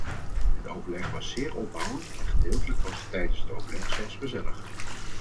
Het overleg was zeer opbouwend en gedeeltelijk was het tijdens het overleg zelfs gezellig.